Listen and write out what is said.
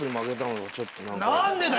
何でだよ